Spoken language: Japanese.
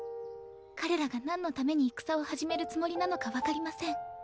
彼らがなんのために戦を始めるつもりなのか分かりません。